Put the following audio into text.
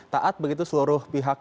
taat begitu seluruh pihak